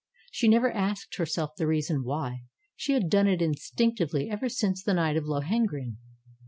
She never asked herself the reason why; she had done it instinctively ever since the night of Lohengrin.